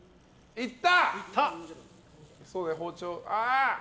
いった！